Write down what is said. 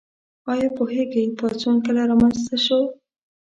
ایا پوهیږئ پاڅون کله رامنځته شو؟